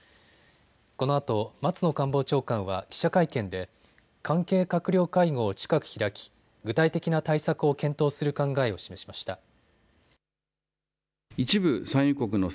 このあと松野官房長官は記者会見で関係閣僚会合を近く開き具体的な対策を検討する考えを示しました。